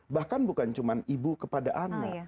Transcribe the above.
bahkan bukan cuma ibu kepada anak